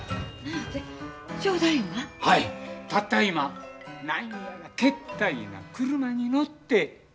たった今何やらけったいな車に乗って。